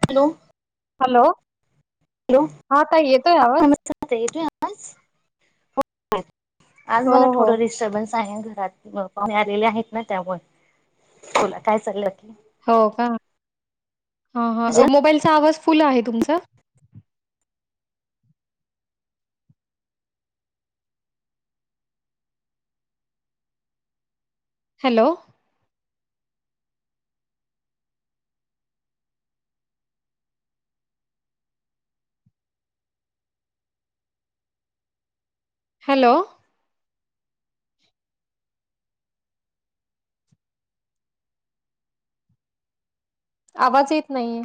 Hello hello hello हा ताई येतोय आवाज? [unintelligible] येतोय आवाज? [inaudible] आज हो, मला हो, थोडं डिस्टर्बन्स आहे घरात पाहुणे आलेले आहेत ना त्यामुळे तुला काय चाललं? बाकी हो का हह मोबाईलचा आवाज? फुलं आहे तुमचं? हॅलो हॅलो आवाज येत नाहीये?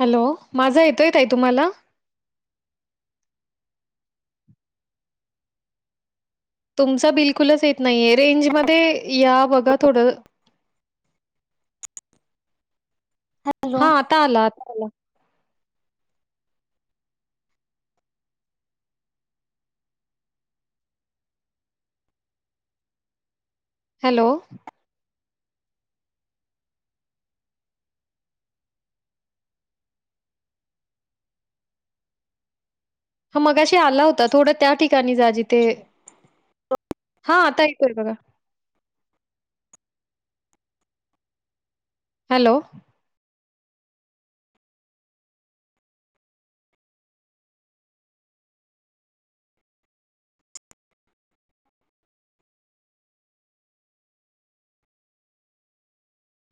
हॅलो माझा येतोय ताई तुम्हाला? तुमच बिलकुलच येत नाहीय? रेंजमध्येध्ये या बघा थोडं हा हॅलो आता आला आत हला हॅलो मगाशी आला होता थोडं त्या ठिका काणी जा जिथे हा आता येतोय बघा. हॅलो